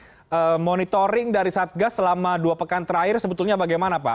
oke monitoring dari satgas selama dua pekan terakhir sebetulnya bagaimana pak